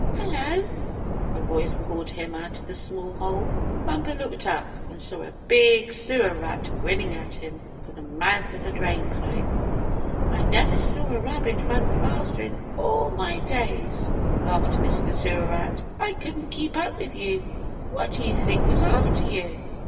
"Hello!" a voice called to him out of the small hole. Bumper looked up, and saw a big Sewer Rat grinning at him from the mouth of the drain pipe. "I never saw a rabbit run faster in all my days," laughed Mr. Sewer Rat. "I couldn't keep up with you. What did you think was after you?"